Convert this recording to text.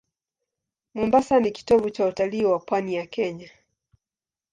Mombasa ni kitovu cha utalii wa pwani ya Kenya.